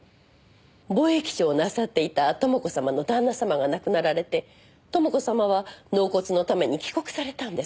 貿易商をなさっていた朋子様の旦那様が亡くなられて朋子様は納骨のために帰国されたんです。